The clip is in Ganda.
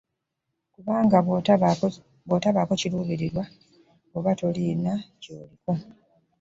Kubanga bw'otobaako kiruubirirwa, oba tolina ky'oliko.